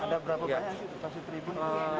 ada berapa banyak